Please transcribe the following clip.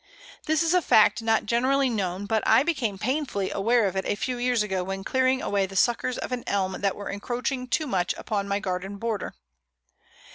This is a fact not generally known, but I became painfully aware of it a few years ago when clearing away the suckers of an Elm that were encroaching too much upon my garden border.